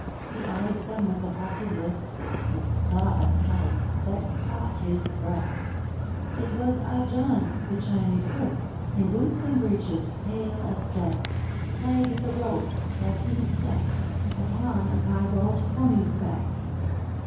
He eyed them with a haughty look, But saw a sight that caught his breath! It was! Ah John! The Chinee cook! In boots and breeches! Pale as death! Tied with a rope, like any sack, Upon a piebald pony's back!